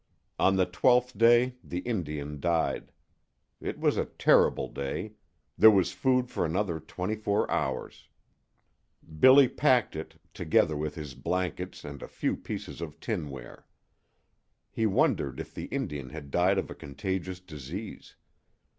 On the twelfth day the Indian died. It was a terrible day. There was food for another twenty four hours. Billy packed it, together with his blankets and a few pieces of tinware. He wondered if the Indian had died of a contagious disease.